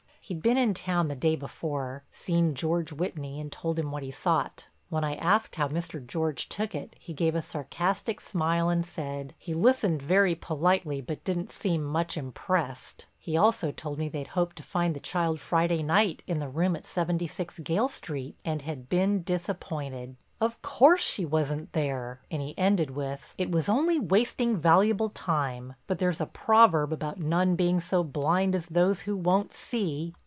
He'd been in town the day before, seen George Whitney and told him what he thought. When I asked how Mr. George took it, he gave a sarcastic smile and said, "He listened very politely but didn't seem much impressed." He also told me they'd hoped to find the child Friday night in the room at 76 Gayle Street and had been disappointed. "Of course she wasn't there," and he ended with "it was only wasting valuable time, but there's a proverb about none being so blind as those who won't see."